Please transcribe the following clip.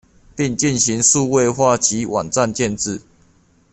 並進行數位化及網站建置